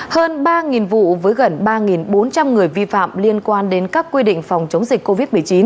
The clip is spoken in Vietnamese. hơn ba vụ với gần ba bốn trăm linh người vi phạm liên quan đến các quy định phòng chống dịch covid một mươi chín